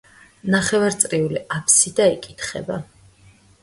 ნახევარწრიული აბსიდა იკითხება.